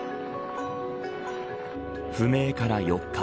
不明から４日。